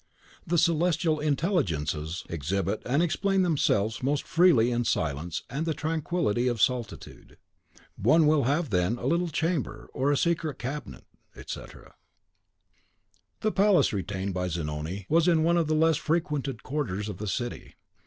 (The Celestial Intelligences exhibit and explain themselves most freely in silence and the tranquillity of solitude. One will have then a little chamber, or a secret cabinet, etc.) The palace retained by Zanoni was in one of the less frequented quarters of the city.